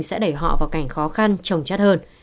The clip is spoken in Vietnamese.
sẽ đẩy họ vào cảnh khó khăn trồng chất hơn